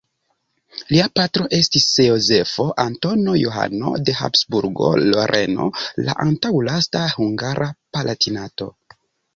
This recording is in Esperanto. Lia patro estis Jozefo Antono Johano de Habsburgo-Loreno, la antaŭlasta hungara palatino.